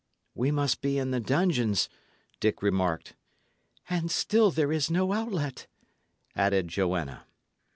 "We must be in the dungeons," Dick remarked. "And still there is no outlet," added Joanna.